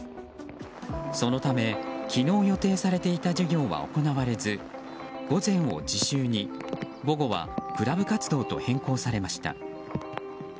そのため、昨日予定されていた授業が行われず午前を自習に午後はクラブ活動へと変更されました。